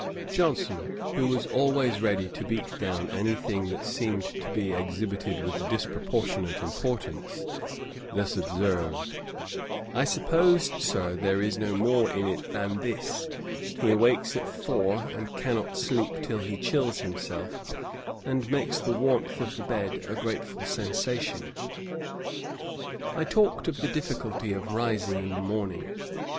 Johnson, who was always ready to beat down any thing that seemed to be exhibited with disproportionate importance, thus observed: 'I suppose, Sir, there is no more in it than this, he awakes at four, and cannot sleep till he chills himself, and makes the warmth of the bed a grateful sensation.' I talked of the difficulty of rising in the morning.